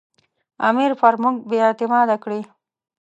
امیر پر موږ بې اعتماده کړي.